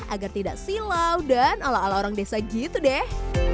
agar tidak silau dan ala ala orang desa gitu deh